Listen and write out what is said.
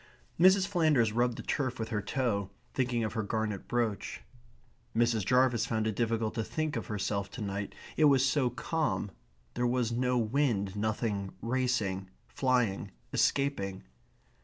Mrs. Flanders rubbed the turf with her toe, thinking of her garnet brooch. Mrs. Jarvis found it difficult to think of herself to night. It was so calm. There was no wind; nothing racing, flying, escaping.